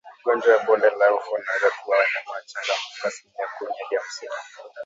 Ugonjwa wa bonde la ufa unaweza kuua wanyama wachanga mpaka asilimia kumi hadi hamsini